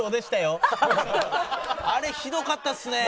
あれひどかったっすね。